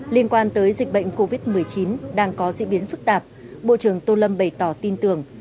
liên quan tới dịch bệnh covid một mươi chín đang có diễn biến phức tạp bộ trưởng tô lâm bày tỏ tin tưởng